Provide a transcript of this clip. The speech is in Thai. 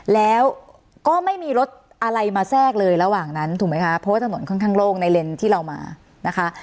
แล้วก็ไม่มีรถอะไรมาแทรกเลยระหว่างนั้นถูกไหมคะเพราะว่าถนนค่อนข้างโล่งในเลนที่เรามานะคะ